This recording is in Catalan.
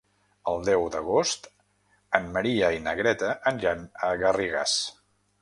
El deu d'agost en Maria i na Greta aniran a Garrigàs.